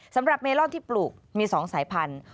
สำหรับเมลอนที่ปลูกมี๒สายพันธุ์